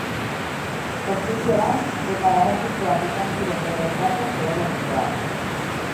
Kontzilioan, eta garrantzitsuak izan ziren bere ekarpen teologikoak.